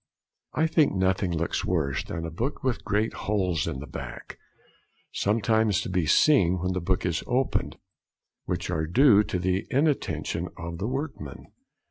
] I think nothing looks worse than a book with great holes in the back, sometimes to be seen when the book is opened, which are due to the inattention of the workmen.